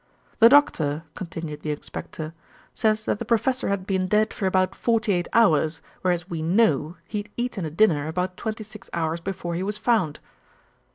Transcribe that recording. "The doctor," continued the inspector, "says that the professor had been dead for about forty eight hours, whereas we know he'd eaten a dinner about twenty six hours before he was found."